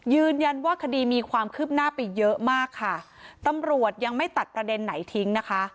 ยืนยันว่าคดีมีความคืบหน้าไปเยอะมากค่ะตำรวจยังไม่ตัดประเด็นไหนทิ้งนะคะ